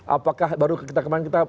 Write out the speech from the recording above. apakah baru kita kemarin